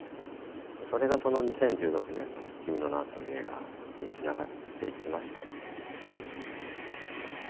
それが、２０１６年の「君の名は。」という映画につながっていきました。